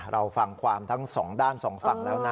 เราฟังความทั้งสองด้านสองฝั่งแล้วนะ